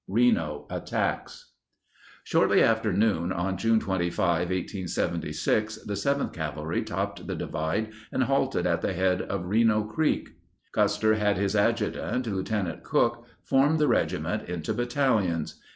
Reno Attacks Shortly after noon on June 25, 1876, the 7th Cavalry topped the divide and halted at the head of Reno Creek. Custer had his adjutant, Lieutenant Cooke, form the regiment into battalions.